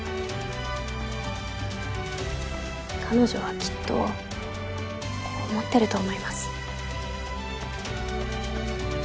彼女はきっとこう思ってると思います。